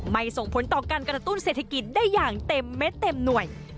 ส่งผลต่อการกระตุ้นเศรษฐกิจได้อย่างเต็มเม็ดเต็มหน่วย